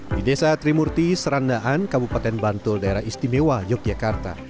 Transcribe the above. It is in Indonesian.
di desa trimurti serandaan kabupaten bantul daerah istimewa yogyakarta